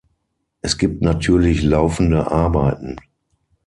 Es gibt natürlich laufende Arbeiten.